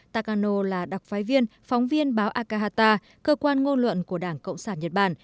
takano là đặc phái viên phóng viên báo akahata cơ quan ngôn luận của đảng cộng sản nhật bản